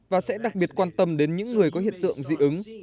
và sẽ đặc biệt quan tâm đến những người có hiện tượng dị ứng